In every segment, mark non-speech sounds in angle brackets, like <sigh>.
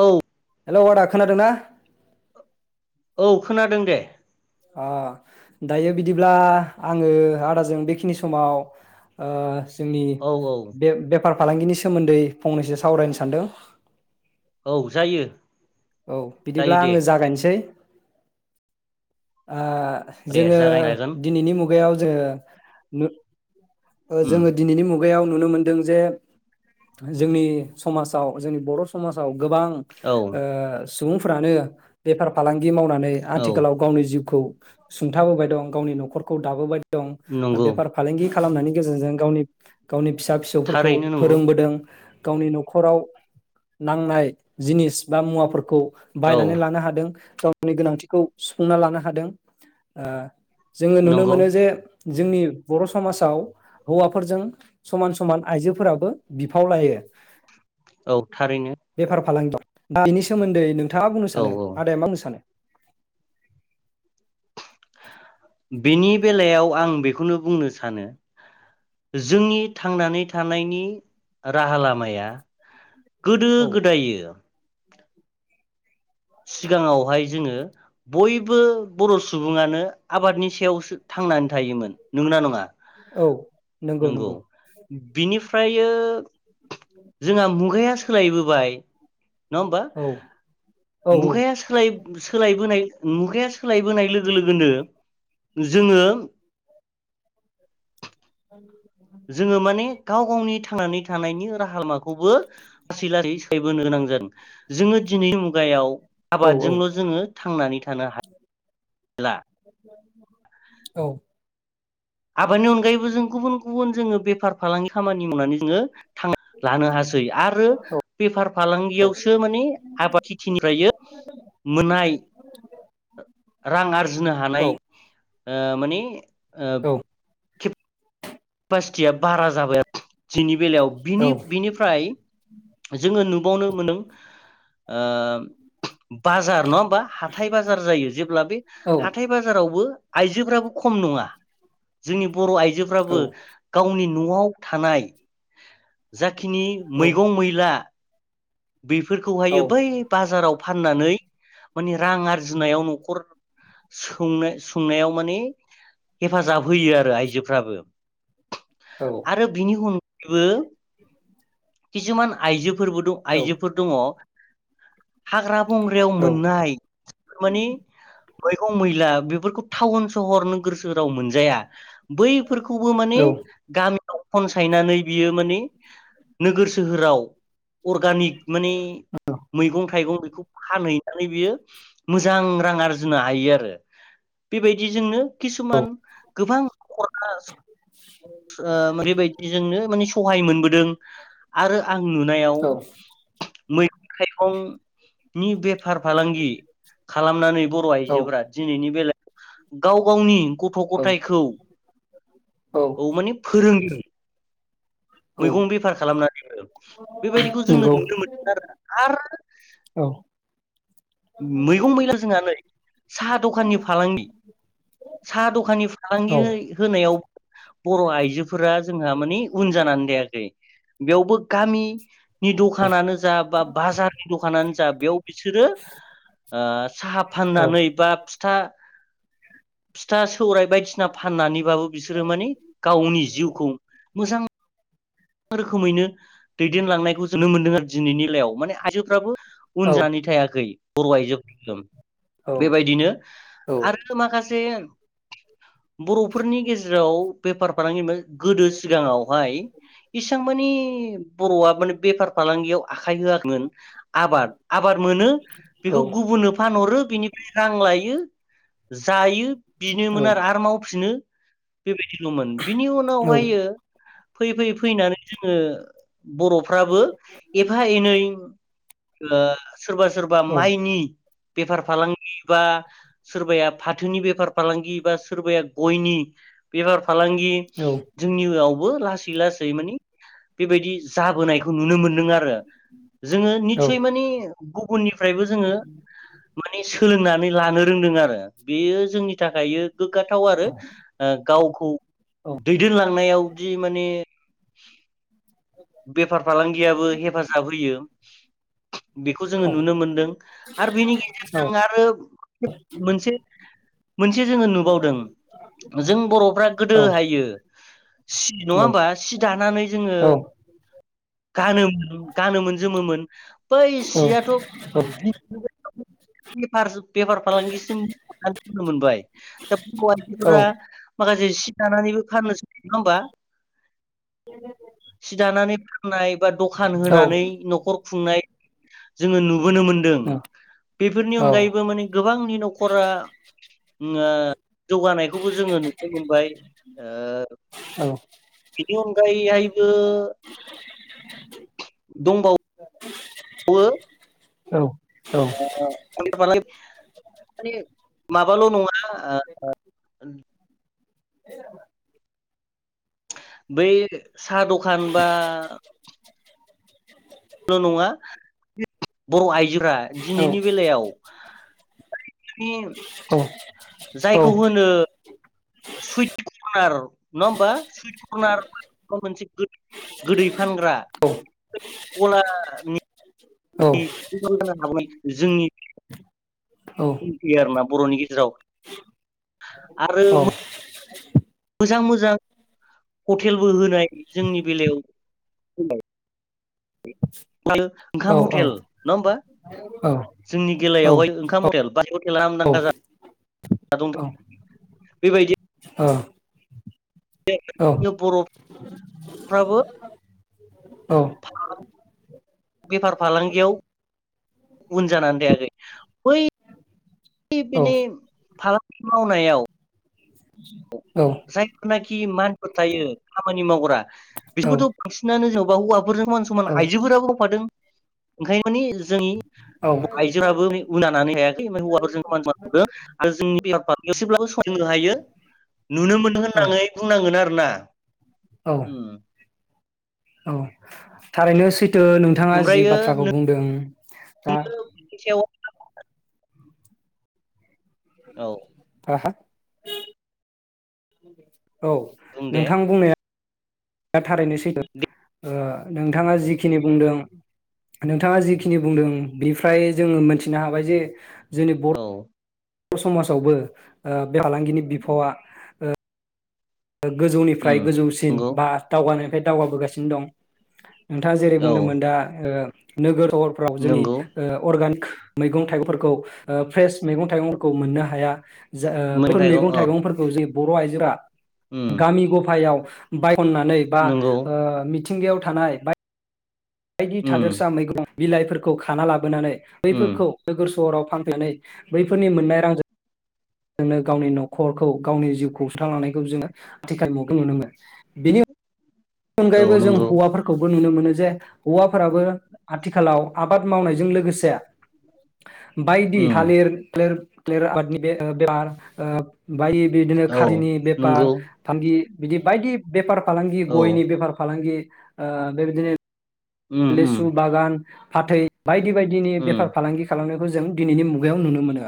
औ। हेलौ आदा खोनादोंना। औ खोनादों दे। आं दायो बिदिब्ला आङो आदाजों बेखिनि समाव ओ जोंनि औ औ बे-बेफार फालांगिनि सोमोन्दै फंनैसो सावरायनो सानदों। औ जायो। औ जायो बिदिब्ला दे आङो जागायसै ओ दे जोङो जागायनो हागोन दिनैनि मु गायाव जोङो नु ओ उम जोङो दिनैनि मु मुगायाव नुनो मोनदों जे जोंनि समाजाव जोंनि बर' समाजाव गोबां औ ओ सुबुंफ्रानो बेफार फालां दि मावनानै औ आथिखालाव गावनि जिउखौ सुंथाबोबाय दं गावनि न'खरखौ दाबोबाय। दं नंगौ बेफार फालांगि। खालामनायनि गेजेरजों गावनि गावनि फिसा फिसौफोरखौ थारैनो नंगौ फोरोंबोदों। गावनि न'खराव नांनाय जिनिस बा मुवाफोरखौ औ बायनानै लानो हादों। गावनि गोनांथिखौ सुफुंना लानो हादों ओ जोङो नुनो नंगौ मोनो जे जोंनि बर' स' समाजाव हौवाफोरजों समान समान आइजोफोराबो बिफाव लायो। औ थारैनो। बेफार फालांगियाव दा बिनि सोमोन्दै नोंथाङा बुंनो औ सानो औ आदाया मा बुंनो सानो? <inaudible> बेनि बेलायाव आं बेखौनो बुंनो सानो जोंनि थांनानै थानायनि राहा लामाया गोदो औ गोदायो सिगाङावहाय जोङो बयबो बर' सुबुङानो आबादनि सायावसो थांनानै थायोमोन नंगोना नङा। औ नंगौ नंगौ। फ्रायो जोंहा मुगाया सोलायबोबाय। नङा होमबा। औ औ औ मुगाया सोलायबो बाय मुगाया सोलायबोनाय लोगो लोगोनो जोङो जोङो माने गाव गावनि थांनानै थानायनि राहा लामा खौबो लासै लासै सोलायबोनो गोनां जादों। जोङो दिनै मुगायाव औ आबादजोंल' जोङो थांनानै थानो हाया। <inaudible> औ। आबादनि अनगायैबो जों गुबुन गुबुन जोङो बेफार फालांगि खामानि मावनानै जोङो। लानो हासै आरो बेफार फालांगियावसो माने आबाद खेथिनिफ्राय मोननाय रां आरजिनो औ हानाय। ओ मानि ओ औ <inaudible> केपासिटिया बारा जाबाय आरो। दिनैनि बेलायाव औ बिनि बिनिफ्राय जोङो नुबावनो मोनदों बाजार नङा बा हाथाय बाजार जायो जेब्ला बे हाथाय बाजारावबो आइजोफ्राबो खम नङा जोंनि बर' आइजोफ्राबो गावनि न'आव थानाय जा जाखिनि मैगं मैला बेफोरखौहायो बै बाजाराव फाननानै माने रां आरजिनायाव न'खर सुंनाय-सुंनायाव माने हेफाजाब होयो आरो आइजोफ्राबो। आरो बिनि उन यैबो <inaudible> खिसुमान आइजोफोरबो आइजोफोर दङ। हाग्रा बंग्रायाव औ मोननाय माने मैगं मैला बेफोरखौ टाउन सहर नोगोर सोहोराव मोनजाया। बैफोरखौबो माने गामि फनसायनानै बियो माने नोगोर सोहोराव अर्गानिक माने मैगं थाइगं बेखौ फानहैनानै बियो मोजां रां आरजिनो हायो आरो बेबायदिजोंनो खिसुमान गोबां न'खरा ओ बेबायदिजोंनो माने सहाय मोनबोदों आरो आं नुनायाव मै थाइगं नि बेफार फालांगि खालामनानै बर' आइजोफोरा दिनैनि बेला गाव गावनि गथ' गथायखौ औ माने फोरोंदों। औ मैगं बेफार खालामना। <inaudible> बेबायदिखौ जोंनो नंगौ नुनो मोनदों आरोना। आरो औ मैगं मैला जोंहा नै साहा दखाननि फालांगि साहा दखाननि औ फालांगि होय-होनायाव बर' आइजोफोरा जोंहा मानि उन जानानै थायाखै बेयावबो गामि नि दखानानो जा बा बाजारनि दखानानो जा बेयाव बिसोरो आ साहा औ फाननानै बा फिथा फिथा सौराइ बायदि फाननानैबाबो बिसोरो माने गावनि जिउखौ मोजां रोखोमैनो दैदेनलांनायखौ जोननो मोनदों आरो दिनैनिलायाव माने आइजोफ्राबो औ उन जानो थायाखै बर' आइजो बेबायदिनो आरो माखासे बर'फोरनि गेजेराव बेफार फालांगि गोदो सिगाङावहाय इसां मानि बर'आ माने बेफार फालांगियाव आखाइ होआखैमोन आबाद आबाद मोनो बेखौ गुबुननो फानहरो बिनिफ्राय रां लायो जायो। बिनोमोन आरो आरो मावफिनो बे बिनि उनावहाय फैयै फैयै फैनानै जोङो बर' फ्राबो एफा एनै ओ सोरबा सोरबा माइनि। बेफार फालांगि बा सोरबाया फाथोनि बेफार फालांगि बा सोरबाया गयनि बेफार। फालांगि जोंनियाव बो लास लासै मानि बेबायदि जाबोनायखौ नुनो मोनदों आरो। जोङो निसय माने गुबुननिफ्रायबो जोङो सो सोलोंनानै लानो रोंदों आरो बेयो जोंनि थाखायो। गोग्गाथाव आरो ओ गाव दैदेनलांनायाव बि माने <unintelligible> बेफार फालांगियाबो हेफाजाब होयो बेखौ जोङो औ नुनो मोनदों आरो बेनि औ गेजेरजों आरो मोनसे। मोनसे जोङो नुबावदों जों बर'फ्रा गोदोहायो। सि नङाहोमबा। सि दानानै जोङो। गानोमोन गानोमोन जोमोमोन बै सियाथ' <unintelligible> बेफार। बेफार फालांगिसिम <unintelligible> खो मोनबाय। <unintelligible> माखा- सि दानानैबो फाननोसो नङा होमबा। सि दानानै। नाय बा दखान होनानै न'खर खुंनाय। जोङो नु- बोनो मोनदों बेफोरनि अनगायैबो माने गोबांनि न'खरा बुद- ओ जौगानायखौबो जोङो नुनो मोनबाय ओ। बिनि अनगायै हाय ओ दंबावो। ओ। औ। <unintelligible> माबाल' नङा। <unintelligible> <inaudible> बै साह दखान बा ल' नङा <unintelligible> बर आइजोआ दिनैनि बेलायाव <unintelligible> <unintelligible> जायखौ होनो सुइट कर्नार नङा होमबा सुइट कर्नार <unintelligible> गोदै फानग्रा गलानि <unintelligible> <unintelligible> जोंनि <unintelligible> आरोना बर'नि गेजेराव। आरो मो- मोजां मोजां हटेलबो होनाय जोंनि बेलायाव <unintelligible> <unintelligible> ओंखाम हथेल नङा होमबा जोंनि गेलायावहाय ओंखाम हटथेल बा <unintelligible> <unintelligible> ओ <unintelligible> जायफोरनाखि मानफोर थायो खामानि मावग्रा बिसोरबोथ' बांसिनानो जेनेबा हौवाफोरजों समान समान आइजोफोराबो मावफादों ओंखायनो मानि जोंनि आइजोयाबो उननानै हायाखै ओमफ्राय हौवाफोरजों समान समान <unintelligible> नुनो मोननो होननानै बुंनांगोन आरो ना उम थारैनो सै नो नोंथांङा जि ओमफ्रायो बाथ्राखौ बुंदों दा नोंनि सायाव औ हा औ बुं दे नोंथां बुंनाया <inaudible> <unintelligible> थारैनो सैदों दे ओ नोंथाङा जिखिनि बुंदों नोंथाङा जिखिनि बुंदों ब्रिफ्राय जोङो मोनथिनो हाबाय जे जोंनि बर औ <unintelligible> समाजावबो ओ बे आलांगिनि बिफावा ओ ओ उम गोजौनिफ्राय गोजौसिन नंगौ बा दावगानो <unintelligible> दावगाबोगासिनो दं नोंथांङा जेरै औ बुंदोंमोन दा ओ नोगोर सहरफ्राव जोंनि नंगौ ओ अर्गानिक मैगं -थाइगंफोरखौ ओ फ्रेस मैगं- थाइगंफोरखौ मोननो हाया जा ओ बैफोर थाइगं मैगं- औ थाइगंफोरखौ जों बर' आइजोफ्रा- उम गामि गफायाव- बाय- अननानै बा नंगौ ओ मिथि- थिंगायाव थानाय बाय- बायदि उम थादोरसा मैगं- बिलाइफोरखौ खाना लाबोनानै- <unintelligible> उम बैफोरखौ नोगोर सहराव- फानफैनानै बैफोरनि मोननाय रांजों नो गावनि न'खरखौ गावनि जिउखौ सुस्रांलांनायखौ जोंङो आथिखाल मुगाखौ नुनो मोनो बेनि उ- बेनि औ अनगायैबो जों नंगौ हौवाफोरखौबो नुनो मोनो। नो जे हौवाफोराबो आथिखालाव आबाद मावनायजों लोगोसे- बायदि उम थालिर थालिर। थालेर आबादनि बे ओ बे मार ओ- बाय बिदिनो औ खारिनि बेफार नंगौ फांलांगि- बिदि बायदि बेफार फालां औ गयनि बेफार फालांगि ओ बेबादिनो उम उम लेसु बागान फाथै बायदि बायदिनि उम बेफार फालांगि खालामनो खौ जों दिनैनि मुगायाव नुनो मोनो।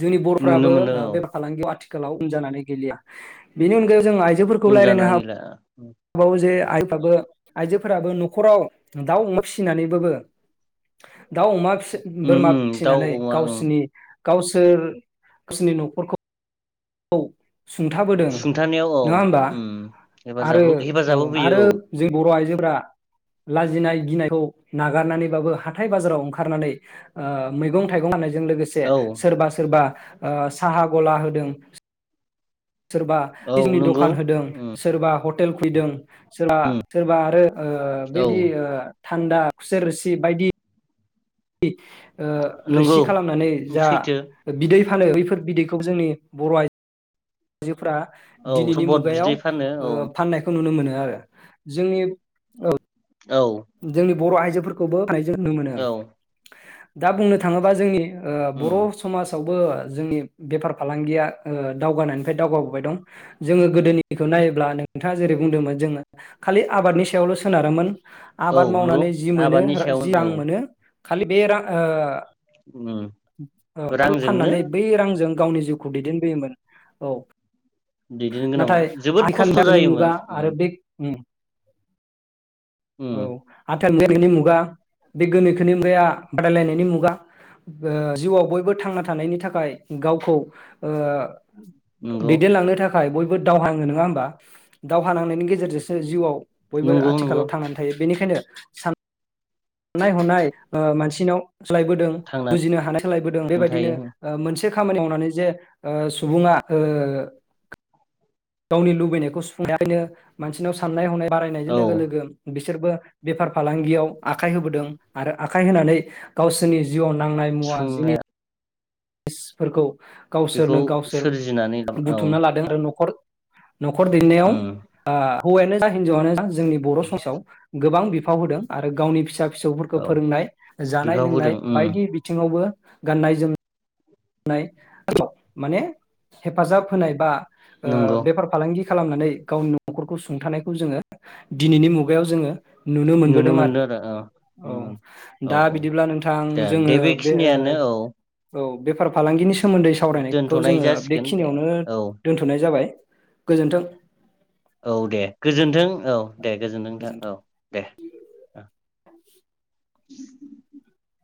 जोंनि नुनो बर'फोराबो मोनो ओ औ बेफार फालांगियाव गोलाव उन जानानै गैलिया बेनि अनगायै जों आइजोफोरखौ उन लायरायनो जानानै हाब गैला बावो जे आइफ्राबो आइजोफोराबो न'खराव दाउ-अमा फिसिनानैबाबो दाउ अमा फिसि- <unintelligible> उम बोरमा उम दाउ फिसिनानै अमा उम गावसिनि गावसोर गावसोरनि न'खरखौ औ सुंथाबोदों सुंथानायाव औ नोङा होमबा उम हेफाजाब आरो औ हेफाजाब आरो होफैयो जों बर' आइजो फोरा लाजिनाय गिनायखौ नागारनानैबाबो हाथाय बाजाराव ओंखारनानै ओ मैगं-थाइगं फाननाय जों लोगोसे औ सोरबा-सोरबा ओ साहा गला होदों। सोरबा औ बिजनि नंगौ द'खान होदों उम सोरबा ह हटेल खुलिदों। सोरबा सोरबा आरो ओ औ बेदि ओ थान्दा खुसेर रोसि बायदि इ ओ नंगौ रोसि खालामनानै जा सैथो बिदै फानो बैफोर बिदैखौ जोंनि बर' आइजो फोरा औ दिनैनि सबद मुगायाव बिदै फानो ओ औ फाननायखौ नुनो मोनो। ओ जोंनि औ औ बर'आइजोफोरखौबो <unintelligible> जों नुनो मोनो। औ दा बुंनो थाङोबा जोंनि ओ उम बर' समाजाव बो जोंनि बेफार फालांगिया ओ दावगानायनिफ्राय दावगाबोबाय दं जोङो गोदोनिखौ नायोब्ला नोंथाङा जेरै बुंदोंमोन जोङो खालि आबादनि सायावल सोनारोमोन। औ आबाद नंगौ मावनानै जि मोनो आबादनि सायाव जि औ रां मोनो खालि बे रा ओ उम औ रांजोंनो फाननानै बै रांजों गावनि जिउखौ दैदेनबोयोमोन औ दैदेन गोनांमोन नाथाय जोबोद खस्थ' आथिखाल थाखोनि जायोमोन मुगा उम आरो बे उम औ आ नि मुगा बे गोनोखोनि मुगाया बादायलायनायनि मुगा ओ जिउआव बयबो थांना थानायनि थाखाय गावखौ ओ नंगौ दैदेनलांनो थाखाय थाखाय बयबो दावहा नाङो नङा होमबा दावहा नांनायनि गेजेरजोंसो जिउआव बयबो नंगौ नंगौ आथिखालाव थांनानै थायो बेनिखायनो सान साननाय हनाय ओ मानसिनाव सोलायबोदों थांनानै बुजिनो हानाय सोलायबोदों बेबायदिनो थायो ओ मोनसे खामानि मावनानै जे ओ सुबुङा ओ गावनि लुबैनायखौ सुफुंनायखायनो मानसिनाव साननाय हनाय बारायनायजों औ लोगो लोगो बि बिसोरबो बेफार फालांगियाव आखाइ होबोदों आरो आखाइ होनानै गावसोरनि जिउआव नांनाय मुवा सुंनाया जिनि- फोरखौ बेखौ गावसोरनो गावसोर सोरजिनानै ला औ बुथुमना लादों आरो नखर नखर बेंनायाव उम आ होवायानो जा हिन्जावानो जा जो जोंनि बर समसाव गोबां बिब बिफाव होदों आरो गावनि फिसा फिसौफोरखौ औ फोरोंनाय जानाय बिफाव होदों लोंनाय उम बायदि बिथिङावबो गाननाय जोमनाय होनाय माने हेफाजाब होनाय बा ओ नंगौ बेफार फालांगि खालामनानै गावनि न खरखौ सुंथानायखौ जोङो दिनिनि मुगायाव जोङो नुनो मोनबोदों आर मोनदों आरो औ औ उम औ दा औ बिदिब्ला नोंथां दे जोङो दे बे बेखिनियानो औ ओ औ बेफार फालांगिनि सो सोमोन्दै सावरायनायखौ दोनथ'नाय जोङो जासिगोन दे बेखिनियावनो औ दोनथनाय जाबाय गोजोन्थों औ दे गोजोन्थों औ दे गोजोनथों गोजोन्थों नोंथां औ दे <inaudible>